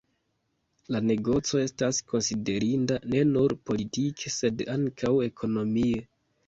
La negoco estas konsiderinda ne nur politike, sed ankaŭ ekonomie.